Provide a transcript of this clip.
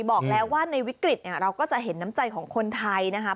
บอกแล้วว่าในวิกฤตเนี่ยเราก็จะเห็นน้ำใจของคนไทยนะคะ